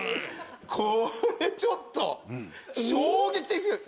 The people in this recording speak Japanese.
これちょっと衝撃的ですよね。